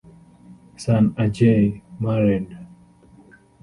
Son Ajay, married.